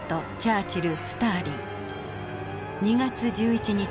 ２月１１日。